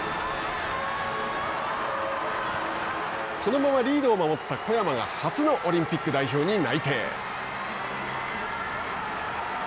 このままリードを守った小山が初のオリンピック代表に内定。